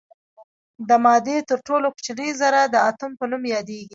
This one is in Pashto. د مادې تر ټولو کوچنۍ ذره د اتوم په نوم یادیږي.